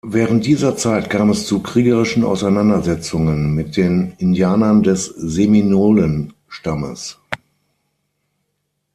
Während dieser Zeit kam es zu kriegerischen Auseinandersetzungen mit den Indianern des Seminolen-Stammes.